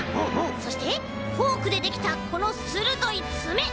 そしてフォークでできたこのするどいつめ。